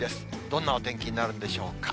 どんなお天気になるんでしょうか。